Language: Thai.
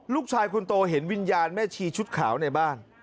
ลูกชายคนโตเห็นวิญญาณแม่ชีชุดขาวในบ้าน